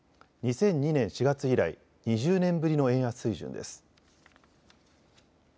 ２００２年４月以来、２０年ぶりの円安水準です。